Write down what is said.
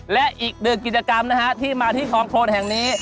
และอีกหนึ่งกิจกรรมนะฮะที่มาที่คลองโครนแห่งนี้